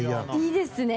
いいですね！